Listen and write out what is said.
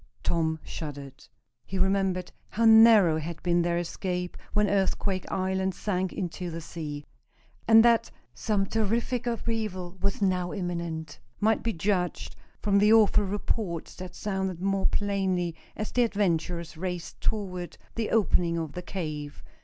Tom shuddered. He remembered how narrow had been their escape when Earthquake Island sank into the sea. And that some terrific upheaval was now imminent might be judged from the awful reports that sounded more plainly as the adventurers raced toward the opening of the cave.